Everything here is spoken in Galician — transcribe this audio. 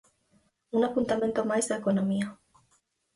Un apuntamento máis de economía.